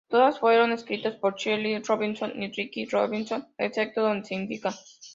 Todas fueron escritas por Chris Robinson y Rich Robinson, excepto donde se indica.